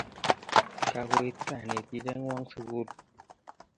Kako it kanetinde ng'wong' sukul.